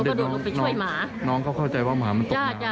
ก็โดดลงไปช่วยหมาน้องเขาเข้าใจว่าหมามันตกน้ำจ้ะจ้ะ